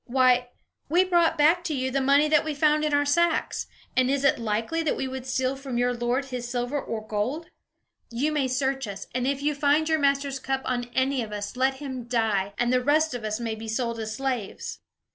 Why, we brought back to you the money that we found in our sacks; and is it likely that we would steal from your lord his silver or gold? You may search us, and if you find your master's cup on any of us, let him die, and the rest of us may be sold as slaves."